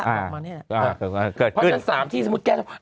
เพราะฉะนั้นสามที่สมมติแก้ไว้